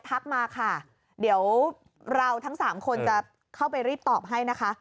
ทักมาค่ะเดี๋ยวเราทั้งสามคนจะเข้าไปรีบตอบให้นะคะ